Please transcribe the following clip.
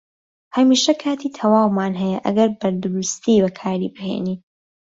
هەمیشە کاتی تەواومان هەیە ئەگەر بەدروستی بەکاری بهێنین.